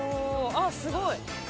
あっすごい。